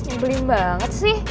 ngebelim banget sih